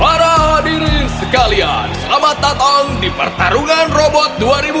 para hadirin sekalian selamat datang di pertarungan robot dua ribu satu ratus satu